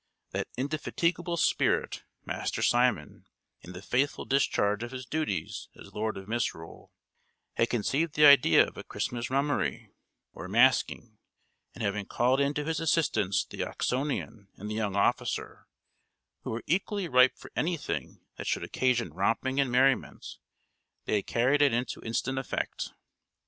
That indefatigable spirit, Master Simon, in the faithful discharge of his duties as lord of misrule, had conceived the idea of a Christmas mummery, or masquing; and having called in to his assistance the Oxonian and the young officer, who were equally ripe for anything that should occasion romping and merriment, they had carried it into instant effect.